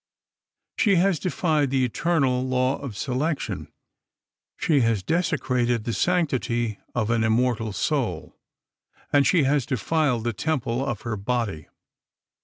She has defied the eternal Law of Selection. She has desecrated the sanctity of an immortal soul, and she has defiled the temple of her body.